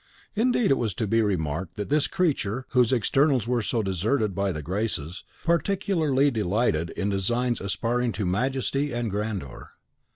Indeed, it was to be remarked that this creature, whose externals were so deserted by the Graces, particularly delighted in designs aspiring to majesty and grandeur.